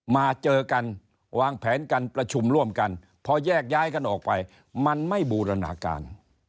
มาเจอกันวางแผนการประชุมร่วมกันพอแยกย้ายกันออกไปมันไม่บูรณาการ